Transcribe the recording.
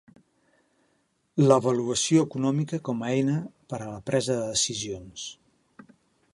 L'avaluació econòmica com a eina per a la presa de decisions.